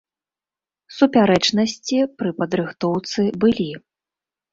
Супярэчнасці пры падрыхтоўцы былі.